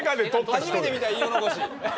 初めて見た飯尾残し。